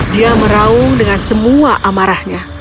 dia merau dengan semua amarahnya